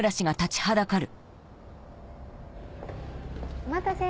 お待たせ。